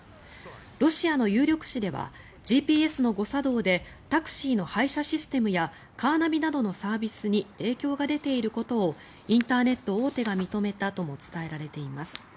ロシアの有力紙ではＧＰＳの誤作動でタクシーの配車システムやカーナビなどのサービスに影響が出ていることをインターネット大手が認めたとも伝えられています。